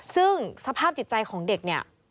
ซึ่งสภาพจิตใจของเด็กเนี่ย